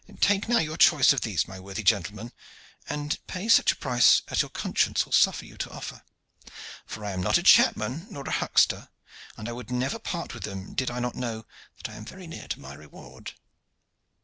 Take now your choice of these, my worthy gentlemen, and pay such a price as your consciences will suffer you to offer; for I am not a chapman nor a huckster, and I would never part with them, did I not know that I am very near to my reward."